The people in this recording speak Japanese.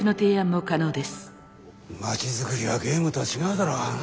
街づくりはゲームとは違うだろ。